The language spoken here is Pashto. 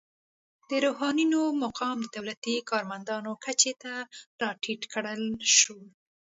د روحانینو مقام د دولتي کارمندانو کچې ته راټیټ کړل شو.